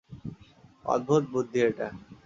অদ্ভূত বুদ্ধি এটা।